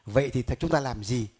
vậy thì chúng ta làm gì